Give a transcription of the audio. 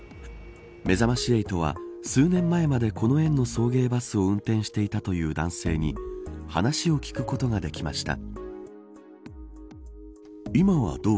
めざまし８は数年前までこの園の送迎バスを運転していたという男性に話を聞くことができました。